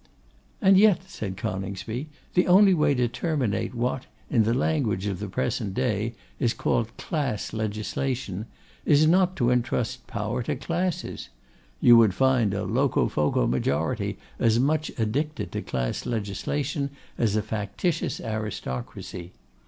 'And yet,' said Coningsby, 'the only way to terminate what, in the language of the present day, is called Class Legislation, is not to entrust power to classes. You would find a Locofoco majority as much addicted to Class Legislation as a factitious aristocracy.